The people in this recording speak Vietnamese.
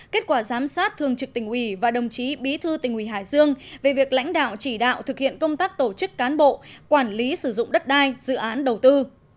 kết quả giám sát thường trực tỉnh ủy và đồng chí bí thư tỉnh ủy hải dương về việc lãnh đạo chỉ đạo thực hiện công tác tổ chức cán bộ quản lý sử dụng đất đai dự án đầu tư